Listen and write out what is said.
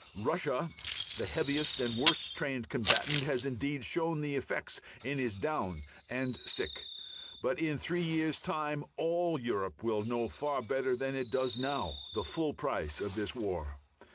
Russia, the heaviest and worst trained combatant, has indeed shown the effects and is down and sick, but in three years' time all Europe will know far better than it does now the full price of this war.